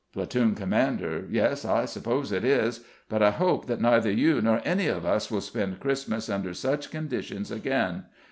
Platoon Commander: "Yes, I suppose it is. But I hope that neither you nor any of us will spend Christmas under such conditions again.